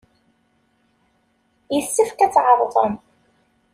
Yessefk ad tɛerḍem.